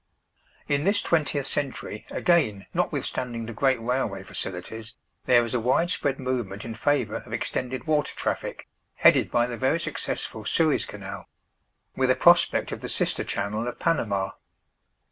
In this twentieth century, again, notwithstanding the great railway facilities, there is a wide spread movement in favour of extended water traffic, headed by the very successful Suez Canal; with a prospect of the sister channel of Panama.